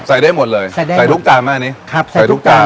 ได้หมดเลยใส่ได้ใส่ทุกจานมากนี้ครับใส่ทุกจาน